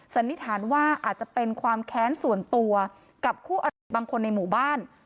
สันนิษฐานว่าอาจจะเป็นความแค้นส่วนตัวกับคู่อริบางคนในหมู่บ้าน